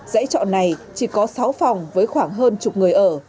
dãy trọ này chỉ có sáu phòng với khoảng hơn chục người ở